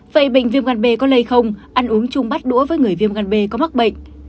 vậy bệnh viêm gan b có lây không ăn uống chung bát đũa với người viêm gan b có mắc bệnh